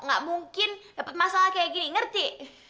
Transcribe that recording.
nggak mungkin dapet masalah kayak gini ngerti